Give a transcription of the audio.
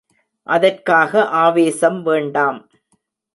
அதற்காக ஆவேசம் வேண்டாம்.